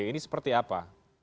ini seperti apa